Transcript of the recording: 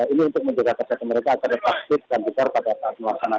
ini untuk menjaga kerja mereka akan dipaksir dan diperbaiki pada perjuangan